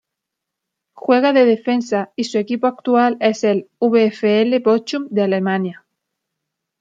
Juega de defensa y su equipo actual es el VfL Bochum de Alemania.